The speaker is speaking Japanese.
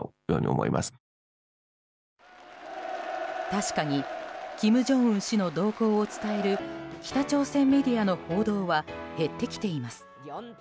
確かに金正恩氏の動向を伝える北朝鮮メディアの報道は減ってきています。